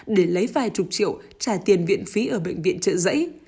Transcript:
để lấy vài chục triệu trả tiền viện phí ở bệnh viện trợ giấy